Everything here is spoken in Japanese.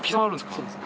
そうですね。